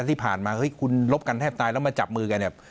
ที่ผ่านมาเฮ้ยคุณลบกันแทบตายแล้วมาจับมือกันเนี่ย